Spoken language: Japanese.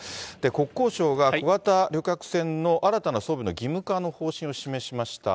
国交省が小型旅客船の新たな装備の義務化の方針を示しました。